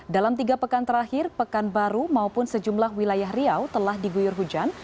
dalam tiga pekan terakhir pekanbaru maupun sejumlah wilayah riau telah diguyur hujan